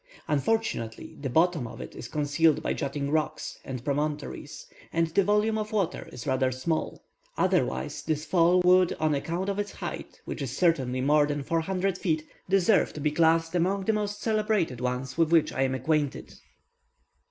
Unfortunately, the bottom of it is concealed by jutting rocks and promontories, and the volume of water is rather small; otherwise, this fall would, on account of its height, which is certainly more than 400 feet, deserve to be classed among the most celebrated ones with which I am acquainted.